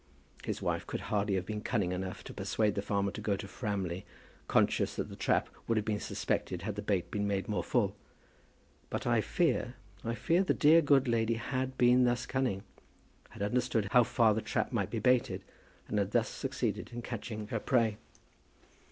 His wife could hardly have been cunning enough to persuade the farmer to go to Framley, conscious that the trap would have been suspected had the bait been made more full. But I fear, I fear the dear good woman had been thus cunning, had understood how far the trap might be baited, and had thus succeeded in catching her prey.